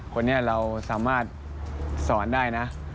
คนนี้เราสามารถสอนได้นะ